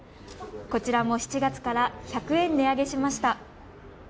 こちらも７月から１００円値上げしました。